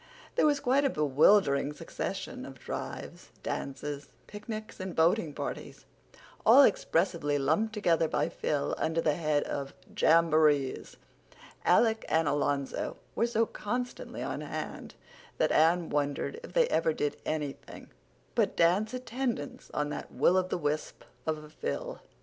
There was quite a bewildering succession of drives, dances, picnics and boating parties, all expressively lumped together by Phil under the head of "jamborees"; Alec and Alonzo were so constantly on hand that Anne wondered if they ever did anything but dance attendance on that will o' the wisp of a Phil.